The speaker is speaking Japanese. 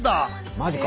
マジか。